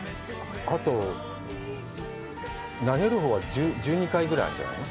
あと、投げるほうは１２回ぐらいあるんじゃないの？